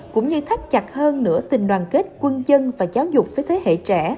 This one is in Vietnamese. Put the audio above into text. cũng như thắt chặt hơn nửa tình đoàn kết quân dân và giáo dục với thế hệ trẻ